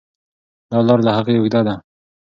دا لار له هغې اوږده ده.